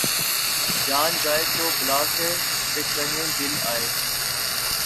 جان جائے تو بلا سے‘ پہ کہیں دل آئے